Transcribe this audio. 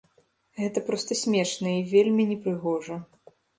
Гэта проста смешна і вельмі непрыгожа.